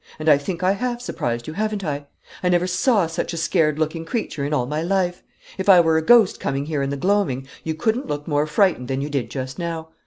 And I think I have surprised you, haven't I? I never saw such a scared looking creature in all my life. If I were a ghost coming here in the gloaming, you couldn't look more frightened than you did just now.